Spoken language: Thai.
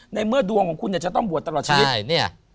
ในเมื่อดวงของคุณจะต้องบวชตลอดชีวิต